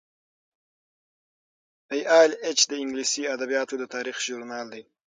ای ایل ایچ د انګلیسي ادبیاتو د تاریخ ژورنال دی.